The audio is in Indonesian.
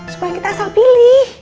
supaya kita asal pilih